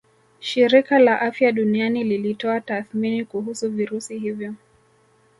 Shirika la Afya Duniani lilitoa tathmini kuhusu virusi hivyo